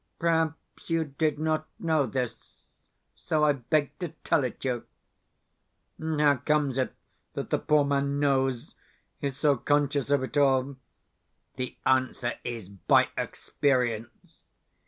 Perhaps you did not know this, so I beg to tell it you. And how comes it that the poor man knows, is so conscious of it all? The answer is by experience.